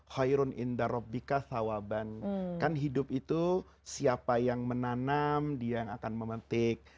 kan hidup itu siapa yang menanam dia yang akan memetik